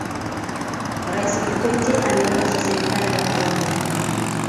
rais kikwete aliongoza serikali ya awamu ya nne